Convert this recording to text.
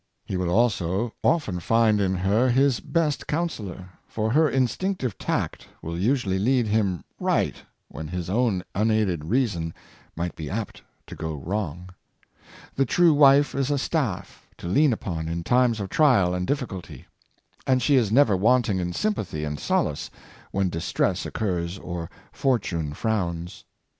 He will also often find in her his best counsellor, for her instinctive tact will usually lead him rio^ht when his own unaided reason might be apt to go wrong. The true wife is a staff to lean upon in times of trial and difficulty; and she is never wanting in sympathy and solace when distress occurs or fortune frowns.